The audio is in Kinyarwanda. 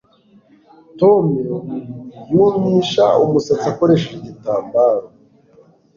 Tom yumisha umusatsi akoresheje igitambaro